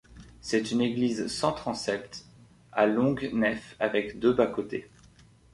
C'est une église sans transept à longue nef avec deux bas-côtés.